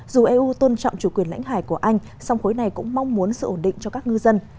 dù eu tôn trọng chủ quyền lãnh hải của anh song khối này cũng mong muốn sự ổn định cho các ngư dân